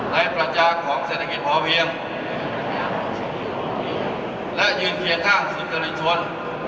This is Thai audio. ในประจานของเศรษฐกิจพอเพียงและยืนเคียงข้างสุจริตชน